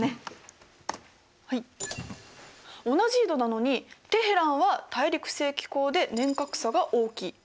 同じ緯度なのにテヘランは大陸性気候で年較差が大きい。